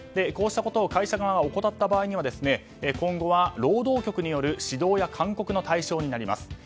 こうしたことを会社側が怠った場合には今後は労働局による指導や勧告の対象になります。